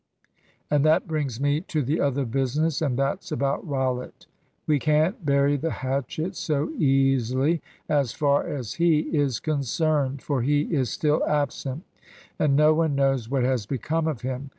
And that brings me to the other business and that's about Rollitt. We can't bury the hatchet so easily, as far as he is concerned. For he is still absent, and no one knows what has become of him.